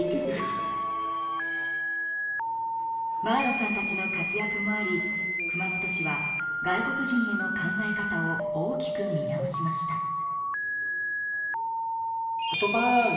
マーロさんたちの活やくもあり熊本市は外国人への考え方を大きく見直しました。